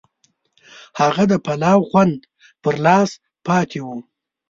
هغه د پلاو خوند پر لاس پاتې و.